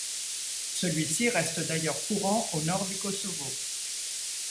Celui-ci reste d'ailleurs courant au Nord du Kosovo.